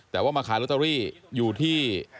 แต่ว่ามาขายลอตเตอรี่อยู่ที่